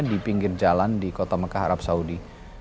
di pinggir jalan di kota mekah arab saudi